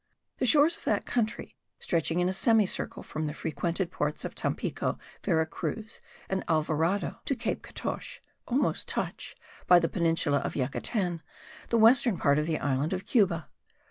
The shores of that country, stretching in a semicircle from the frequented ports of Tampico, Vera Cruz, and Alvarado to Cape Catoche, almost touch, by the peninsula of Yucatan, the western part of the island of Cuba.